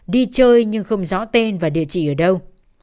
đi chơi nhưng không rõ tên và địa chỉ ở đâu